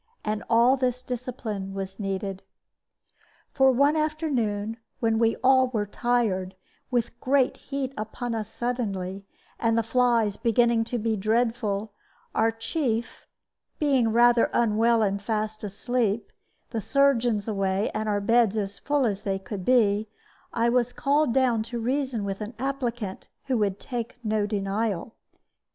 And all this discipline was needed. For one afternoon, when we all were tired, with great heat upon us suddenly, and the flies beginning to be dreadful, our chief being rather unwell and fast asleep, the surgeons away, and our beds as full as they could be, I was called down to reason with an applicant who would take no denial.